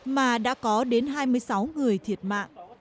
mà đã có đến hai mươi sáu người thiệt mạng